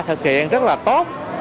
thực hiện rất là tốt